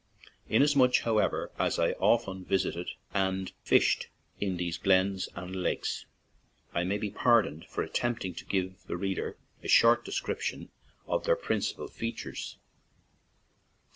Inasmuch, however, as I often visited and fished in these glens and lakes, I may be pardoned for attempting to give the reader a short description of their principal features.